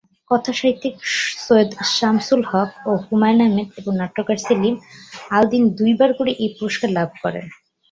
কথাসাহিত্যিক সৈয়দ শামসুল হক ও হুমায়ূন আহমেদ এবং নাট্যকার সেলিম আল দীন দুই বার করে এই পুরস্কার লাভ করেন।